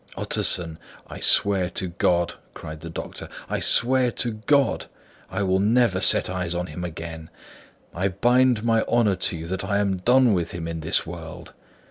"Utterson, I swear to God," cried the doctor, "I swear to God I will never set eyes on him again. I bind my honour to you that I am done with him in this world.